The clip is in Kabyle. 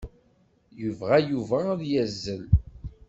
Yebɣa Yuba ad yazzel.